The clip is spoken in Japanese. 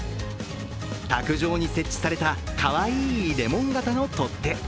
卓上に設置されたかわいいレモン型の取っ手。